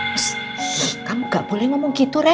psst kamu gak boleh ngomong gitu ren